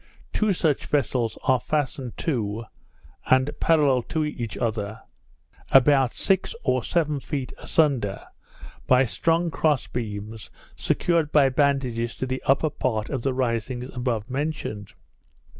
Two such vessels are fastened to, and parallel to each other, about six or seven feet asunder, by strong cross beams, secured by bandages to the upper part of the risings above mentioned.